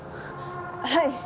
はい。